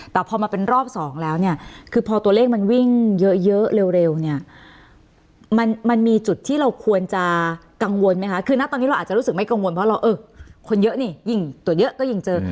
แต่พอมาเป็นรอบสองแล้วเนี่ยคือพอตัวเลขมันวิ่งเยอะเร็วเนี่ยมันมีจุดที่เราควรจะกังวลไหมคะคือณตอนนี้เราอาจจะรู้สึกไม่กังวลเพราะเราเออคนเยอะนี่ยิ่งตัวเยอะก็ยิ่งเจอ